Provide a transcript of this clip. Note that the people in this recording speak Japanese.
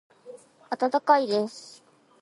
温かいです。